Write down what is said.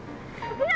うわ！